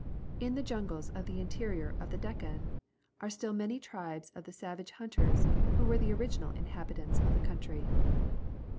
In the jungles of the interior of the Deccan are still many tribes of the savage hunters who were the original inhabitants of the country.